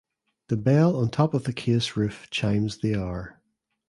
The bell on top of the case roof chimes the hour.